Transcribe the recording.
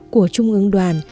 của trung ương đoàn